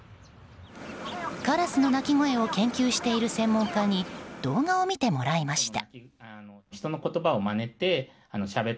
カラスの鳴き声を研究している専門家に動画を見てもらいました。